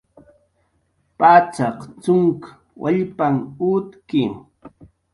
Pacxaq cxunk wallpanh utki